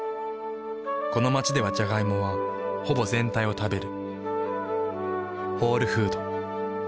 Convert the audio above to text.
この街ではジャガイモはほぼ全体を食べる。